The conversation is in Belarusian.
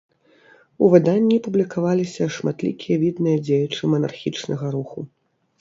У выданні публікаваліся шматлікія відныя дзеячы манархічнага руху.